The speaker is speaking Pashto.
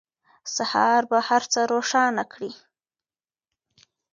سهار به هر څه روښانه کړي.